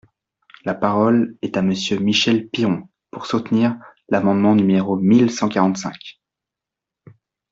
La parole est à Monsieur Michel Piron, pour soutenir l’amendement numéro mille cent quarante-cinq.